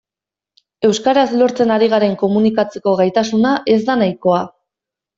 Euskaraz lortzen ari garen komunikatzeko gaitasuna ez da nahikoa.